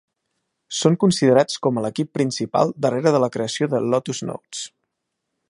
Són considerats com a l'equip principal darrere de la creació de Lotus Notes.